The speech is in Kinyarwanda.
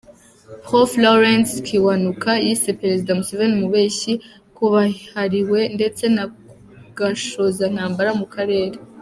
Prof Lawrence Kiwanuka, Yise Perezida Museveni Umubeshyi Kabuhariwe Ndetse Na Gashozantambara Mu Karere.